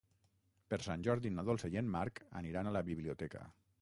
Per Sant Jordi na Dolça i en Marc aniran a la biblioteca.